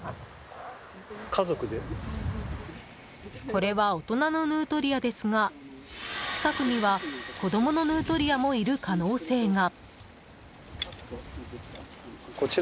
これは大人のヌートリアですが近くには子供のヌートリアもいる可能性が。